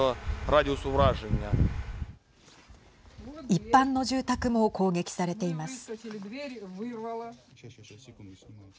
一般の住宅も攻撃されています。